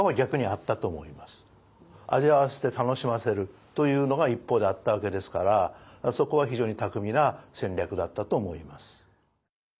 味わわせて楽しませるというのが一方であったわけですからそこは非常に巧みな戦略だったと思います。